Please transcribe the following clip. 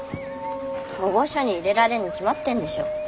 保護所に入れられるに決まってんでしょ。